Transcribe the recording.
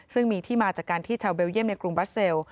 ซึ่งมีที่มาจากการที่ชาวเบลเยี่ยมในกรุงบัสเซล